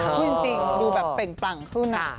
บอกจริงดูแบบเป็นกปั่นขึ้น